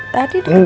tadi di deket deket